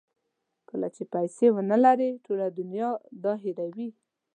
کله چې پیسې ونلرئ ټوله دنیا دا هیروي.